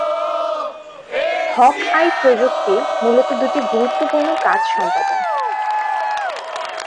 Hawk-Eye প্রযুক্তি মুলত দুটি গুরুত্বপূর্ণ কাজ সম্পাদন করে।